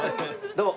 どうも。